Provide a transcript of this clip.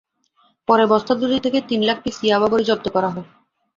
পরে বস্তা দুটি থেকে তিন লাখ পিস ইয়াবা বড়ি জব্দ করা হয়।